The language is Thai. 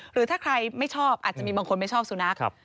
หรือถ้าใครไม่ชอบอาจจะมีบางคนไม่ชอบสุนัข